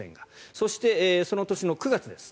そして、その年の９月です。